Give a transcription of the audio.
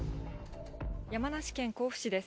山梨県甲府市です。